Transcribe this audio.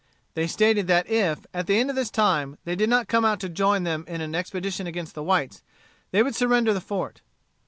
They stated that if, at the end of this time, they did not come out to join them in an expedition against the whites, they would surrender the fort.